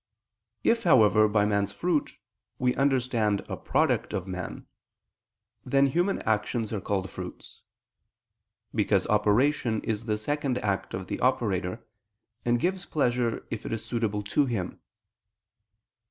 If, however, by man's fruit we understand a product of man, then human actions are called fruits: because operation is the second act of the operator, and gives pleasure if it is suitable to him.